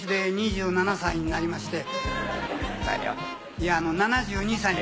いや７２歳に。